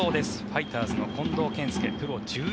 ファイターズの近藤健介